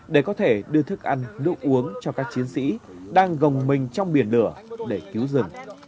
để có thể đưa thức ăn nước uống cho các chiến sĩ đang gồng mình trong biển lửa để cứu rừng